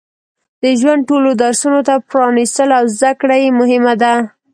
د ژوند ټولو درسونو ته پرانستل او زده کړه یې مهمه ده.